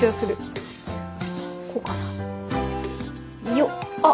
よっ！